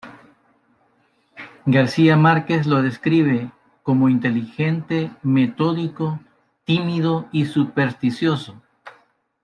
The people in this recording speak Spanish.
García Márquez lo describe como "inteligente, metódico, tímido y supersticioso".